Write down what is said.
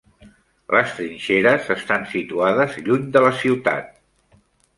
Les trinxeres estan situades lluny de la ciutat.